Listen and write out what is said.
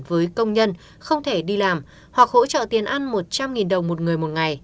với công nhân không thể đi làm hoặc hỗ trợ tiền ăn một trăm linh đồng một người